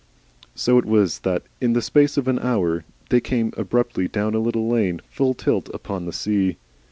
So it was that in the space of an hour they came abruptly down a little lane, full tilt upon the sea.